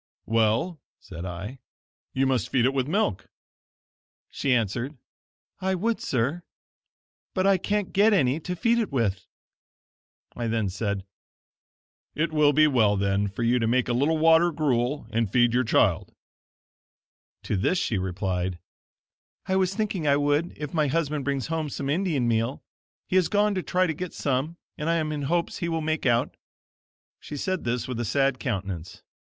"Well," said I, "you must feed it with milk." She answered: "I would, sir, but I can't get any to feed it with." I then said: "It will be well, then, for you to make a little water gruel, and feed your child." To this she replied: "I was thinking I would if my husband brings home some Indian meal. He has gone to try to get some and I am in hopes he will make out." She said this with a sad countenance.